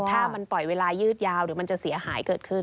ถ้ามันปล่อยเวลายืดยาวหรือมันจะเสียหายเกิดขึ้น